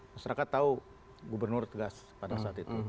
masyarakat tahu gubernur tegas pada saat itu